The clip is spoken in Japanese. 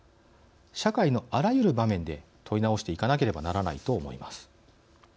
社会のあらゆる場面で問い直していかなければならないと思います。